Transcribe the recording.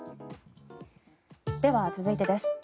では続いてです。